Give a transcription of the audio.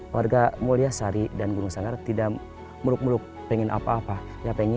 warga mulia sari dan gunung sanggar tidak muruk muluk pengen apa apa